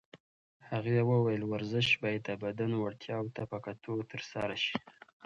هغې وویل ورزش باید د بدن وړتیاوو ته په کتو ترسره شي.